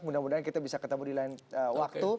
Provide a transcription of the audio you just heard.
mudah mudahan kita bisa ketemu di lain waktu